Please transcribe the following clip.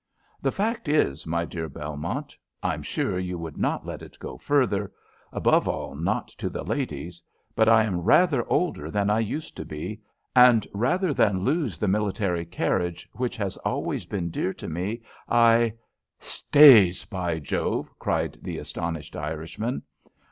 "The fact is, my dear Belmont I'm sure you would not let it go further above all not to the ladies; but I am rather older than I used to be, and rather than lose the military carriage which has always been dear to me, I " "Stays, be Jove!" cried the astonished Irishman.